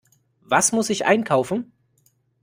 Was muss ich einkaufen?